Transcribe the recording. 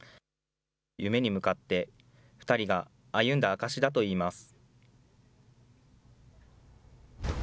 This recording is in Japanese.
夢に向かって、２人が歩んだ証しだといいます。